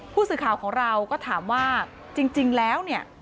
ผู้สื่อข่าวของเราก็ถามว่าจริงแล้วเนี่ย